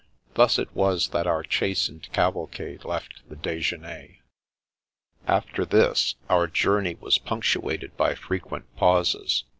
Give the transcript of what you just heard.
Thus it was that our chastened cavalcade left the " Dejeuner." After this, our journey was punctuated by fre quent pauses.